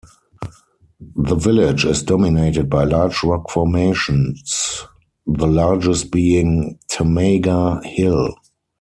The village is dominated by large rock formations, the largest being Thamaga Hill.